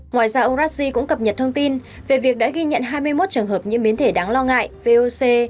ngoài ra ông rassi cũng cập nhật thông tin về việc đã ghi nhận hai mươi một trường hợp những biến thể đáng lo ngại voc